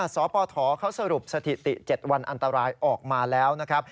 สปฐเขาสรุปสถิติ๗วันอันตรายออกมาแล้วนะครับ